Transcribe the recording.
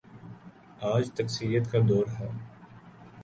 آج تکثیریت کا دور ہے۔